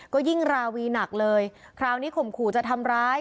ก็ยิ่งราวีหนักเลยคราวนี้ข่มขู่จะทำร้าย